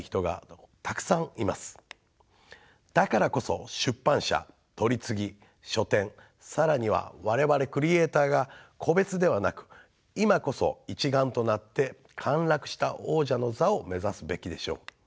だからこそ出版社取次書店更には我々クリエーターが個別ではなく今こそ一丸となって陥落した王者の座を目指すべきでしょう。